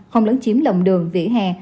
không lấn chiếm lồng đường vỉa hè